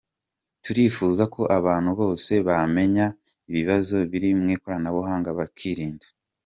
Turifuza ko abantu bose bamenya ibibazo biri mu ikoranabuhanga bakirinda.